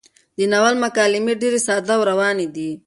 د ناول مکالمې ډېرې ساده او روانې دي.